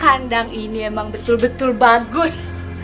kandang ini emang betul betul bagus